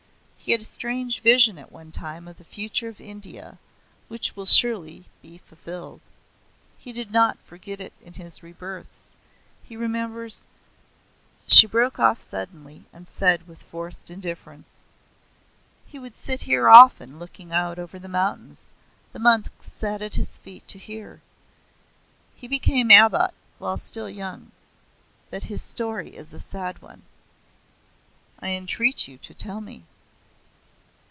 He had a strange vision at one time of the future of India, which will surely be fulfilled. He did not forget it in his rebirths. He remembers " She broke off suddenly and said with forced indifference, "He would sit here often looking out over the mountains; the monks sat at his feet to hear. He became abbot while still young. But his story is a sad one." "I entreat you to tell me."